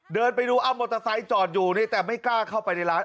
เดินไปดูเอามอเตอร์ไซค์จอดอยู่นี่แต่ไม่กล้าเข้าไปในร้าน